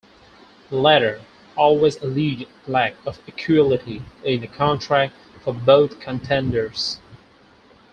The latter always alleged lack of equality in the contract for both contenders.